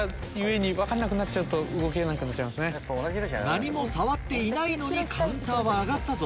何も触っていないのにカウンターは上がったぞ。